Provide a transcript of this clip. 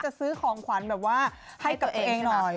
ซื้อของขวัญแบบว่าให้กับตัวเองหน่อย